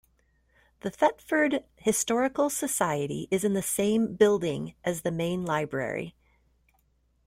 The Thetford Historical Society is in the same building as the main library.